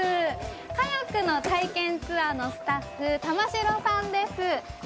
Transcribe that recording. カヤックの体験ツアーのスタッフ玉城さんです。